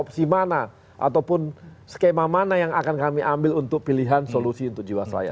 opsi mana ataupun skema mana yang akan kami ambil untuk pilihan solusi untuk jiwasraya